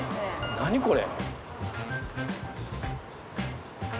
何これ。